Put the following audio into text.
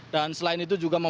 dan selain itu juga membuat